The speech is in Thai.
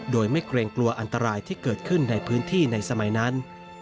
โดยไม่เกรงกลัวอันตรายที่เกิดขึ้นในพื้นที่ในสมัยนั้น